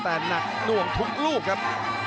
แต่หนักหน่วงทุกลูกครับ